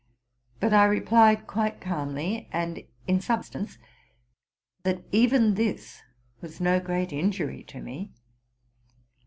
But I replied quite calmly, and in substance, ''that even this was no great injury to me.